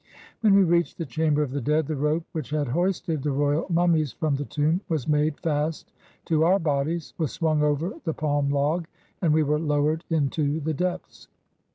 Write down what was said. When we reached the chamber of the dead, the rope which had hoisted the royal mummies from the tomb was made fast to our bodies, was swung over the palm log, and we were lowered into the depths.